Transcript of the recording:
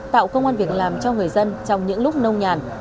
tạo công an việc làm cho người dân trong những lúc nông nhàn